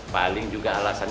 soalnya di sini